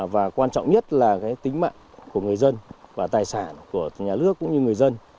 và quan trọng nhất là cái tính mạng của người dân và tài sản của nhà nước cũng như người dân